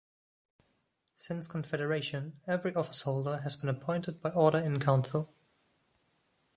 Since Confederation, every office holder has been appointed by order-in-council.